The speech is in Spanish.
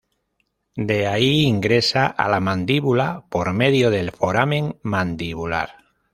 De ahí ingresa a la mandíbula por medio del foramen mandibular.